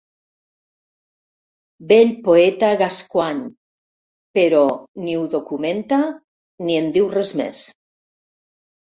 «vell poeta Gascoigne» però ni ho documenta ni en diu res més.